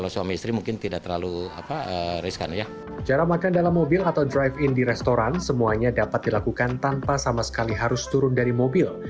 semuanya dapat dilakukan tanpa sama sekali harus turun dari mobil